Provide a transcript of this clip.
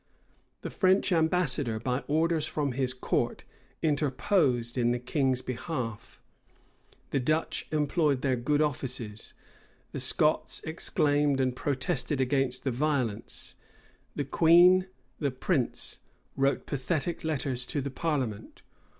The French ambassador, by orders from his court, interposed in the king's behalf: the Dutch employed their good offices: the Scots exclaimed and protested against the violence: the queen, the prince, wrote pathetic letters to the parliament.